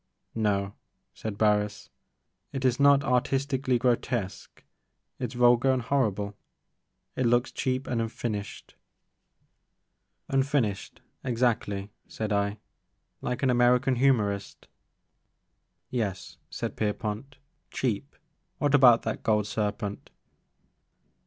No," said Barns, "it is not artistically gro tesque, it *s vulgar and horrible, — ^it looks cheap and unfinished '' 3 34 The Maker of Moons. "Unfinished, — exactly," said I, ''like an American humorist *' Yes,*' said Pierpont, "cheap. What about that gold serpent